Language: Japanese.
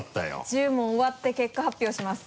１０問終わって結果発表します。